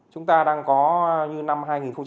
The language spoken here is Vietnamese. chúng ta đang có như năm hai nghìn một mươi chín